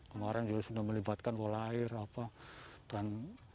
kemarin juga sudah melibatkan pola air apa dan